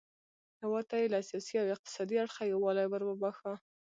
هیواد ته یې له سیاسي او اقتصادي اړخه یووالی وروباښه.